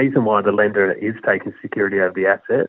jadi mereka bisa meminimasi risiko kehilangan